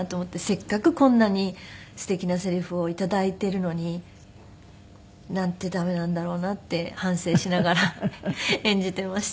せっかくこんなにすてきなセリフを頂いているのになんて駄目なんだろうなって反省しながら演じていました。